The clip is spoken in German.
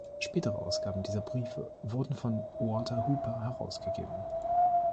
Spätere Ausgaben dieser Briefe wurden von Walter Hooper herausgegeben.